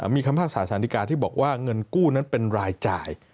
มีคำพิพากษาสารดีกาที่บอกว่าเงินกู้นั้นเป็นรายจ่าย